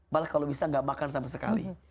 makanlah makan sama sekali